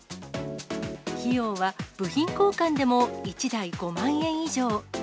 費用は部品交換でも１台５万円以上。